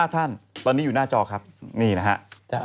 ๕ท่านตอนนี้อยู่หน้าจอครับนี่นะครับ